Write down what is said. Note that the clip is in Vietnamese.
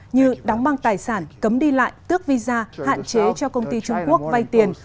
như đóng băng tài sản cấm đi lại tước visa hạn chế cho công ty trung quốc vay tiền